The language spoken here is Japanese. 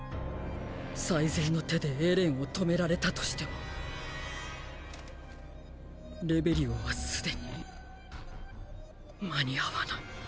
最善の手でエレンを止められたとしてもレベリオは既に間に合わない。